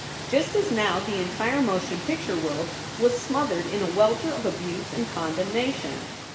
just as now the entire motion picture world was smothered in a welter of abuse and condemnation.